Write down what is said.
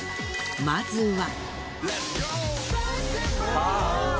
まずは。